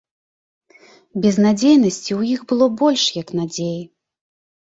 Безнадзейнасці ў іх было больш, як надзеі.